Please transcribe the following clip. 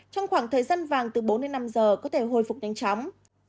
trong khoảng thời gian vàng từ bốn đến năm giờ có thể hồi phục nhanh chóng